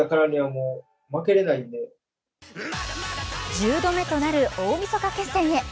１０度目となる大みそか決戦へ。